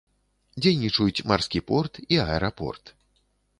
Дзейнічаюць марскі порт і аэрапорт.